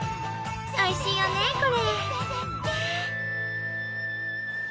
おいしいよねこれ！